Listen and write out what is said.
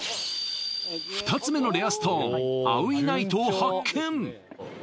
２つ目のレアストーンアウイナイトを発見